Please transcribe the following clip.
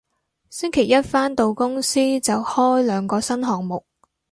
星期一返到公司就開兩個新項目